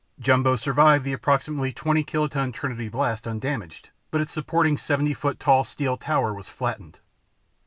Jumbo survived the approximately 20 kiloton Trinity blast undamaged, but its supporting 70 foot tall steel tower was flattened.